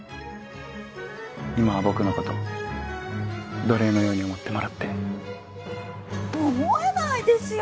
今は僕のこと奴隷のように思ってもらって思えないですよ